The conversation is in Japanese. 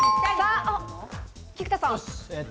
菊田さん。